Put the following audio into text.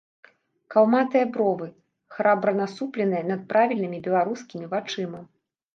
Калматыя бровы, храбра насупленыя над правільнымі беларускімі вачыма.